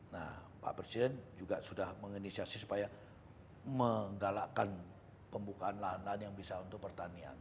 nah pak presiden juga sudah menginisiasi supaya menggalakkan pembukaan lahan lahan yang bisa untuk pertanian